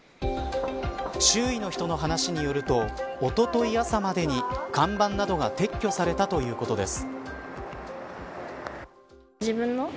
周囲の人の話によるとおととい朝までに看板などが撤去されたということです。